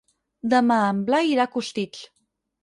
Demà en Blai irà a Costitx.